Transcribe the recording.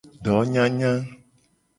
Donyanya.